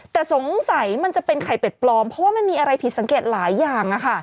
แต่สงสัยมันจะเป็นไข่เป็ดปลอมเพราะว่ามันมีอะไรผิดสังเกตหลายอย่าง